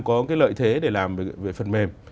có cái lợi thế để làm về phần mềm